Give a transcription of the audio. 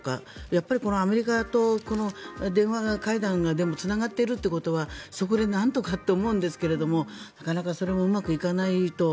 やっぱり、アメリカと電話会談がつながっているということはそこでなんとかって思うんですがなかなかそれもうまくいかないと。